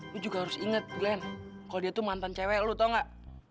lo juga harus inget glenn kalau dia tuh mantan cewek lo tau nggak